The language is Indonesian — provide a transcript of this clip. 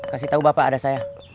kasih tahu bapak ada saya